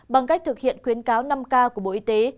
bằng cách thực hiện khuyến cáo năm k của bộ y tế